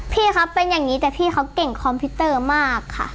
พี่ครับเป็นอย่างนี้แต่พี่เขาเก่งคอมพิวเตอร์มากค่ะ